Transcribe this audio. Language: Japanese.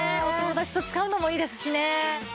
お友達と使うのもいいですしね。